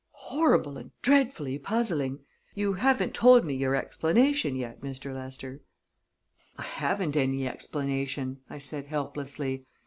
"Horrible and dreadfully puzzling. You haven't told me your explanation yet, Mr. Lester." "I haven't any explanation," I said helplessly.